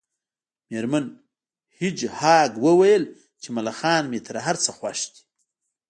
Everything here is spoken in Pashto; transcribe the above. میرمن هیج هاګ وویل چې ملخان مې تر هر څه خوښ دي